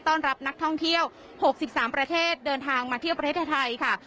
ต้อนรับนักท่องเที่ยว๖๓ประเทศเดินทางมาเที่ยวประเทศไทยค่ะ